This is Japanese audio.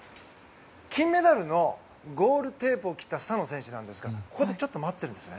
金メダルのゴールテープを切ったスタノ選手なんですがここで待ってるんですね。